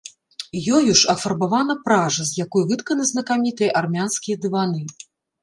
Ёю ж афарбавана пража, з якой вытканы знакамітыя армянскія дываны.